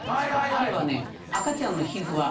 あれは赤ちゃんの皮膚は。